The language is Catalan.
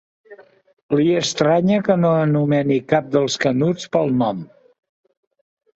Li estranya que no anomeni cap dels Canuts pel nom.